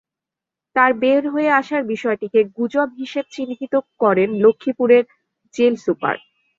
তাঁর বের হয়ে আসার বিষয়টিকে গুজব হিসেব চিহ্নিত করেন লক্ষ্মীপুরের জেল সুপার।